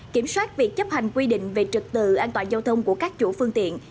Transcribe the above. kiểm soát việc chấp hành quy định về trực tự an toàn giao thông của các chủ phương tiện